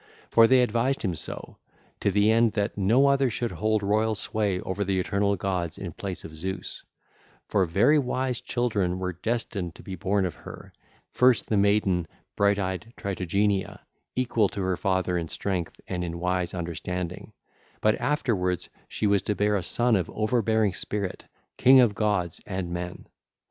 For they advised him so, to the end that no other should hold royal sway over the eternal gods in place of Zeus; for very wise children were destined to be born of her, first the maiden bright eyed Tritogeneia, equal to her father in strength and in wise understanding; but afterwards she was to bear a son of overbearing spirit, king of gods and men.